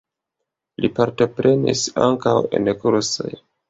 Li partoprenis ankaŭ en kursoj.